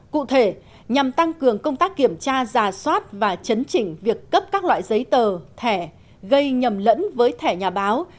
cụ thể nhằm tăng cường công tác kiểm tra giả soát và chấn chỉnh việc cấp các loại giấy tờ thẻ gây nhầm lẫn với thẻ nhà báo